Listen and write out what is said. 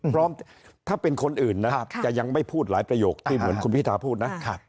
พร้อมถ้าเป็นคนอื่นนะครับจะยังไม่พูดหลายประโยคที่เหมือนคุณพิธาพูดนะ